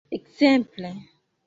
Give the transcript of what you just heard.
ekzemple